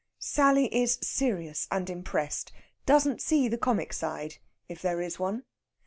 Sally is serious and impressed; doesn't see the comic side, if there is one.